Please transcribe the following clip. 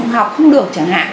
học không được chẳng hạn